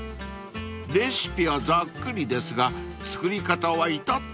［レシピはざっくりですが作り方は至って丁寧］